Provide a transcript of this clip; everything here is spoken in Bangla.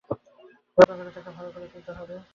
যত্ন করে তাকে ভাল করে তুলতে হবে।